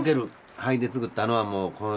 灰で作ったのはもうこの味ですね。